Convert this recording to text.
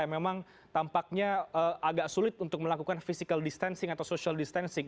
yang memang tampaknya agak sulit untuk melakukan physical distancing atau social distancing